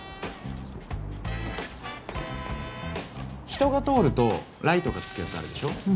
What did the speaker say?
人が通るとライトがつくやつあるでしょ？